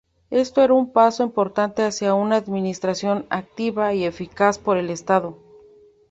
Esto era un paso importante hacia una administración activa y eficaz por el estado.